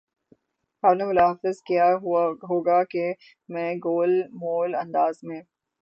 آپ نے ملاحظہ کیا ہو گا کہ میں گول مول انداز میں